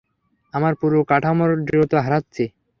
আমরা পুরো কাঠামোর দৃঢ়তা হারাচ্ছি!